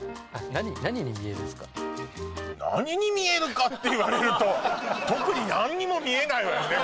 何に見えるんですか何に見えるかって言われると特に何にも見えないわよね